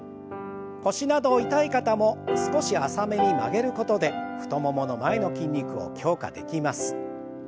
腰など痛い方も少し浅めに曲げることで太ももの前の筋肉を強化できます。